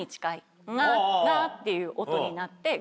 「んが」っていう音になって。